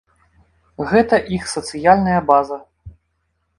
Гэта іх сацыяльная база.